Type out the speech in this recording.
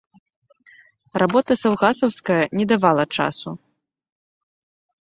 Работа саўгасаўская не давала часу.